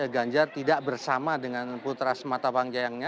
ganjar tidak bersama dengan putra sematawang jayangnya